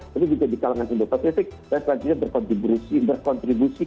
tapi juga di kalangan indo pacific dan selanjutnya berkontribusi